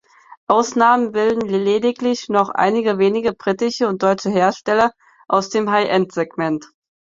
Ausnahmen bilden lediglich noch einige wenige britische und deutsche Hersteller aus dem „High-End“-Segment.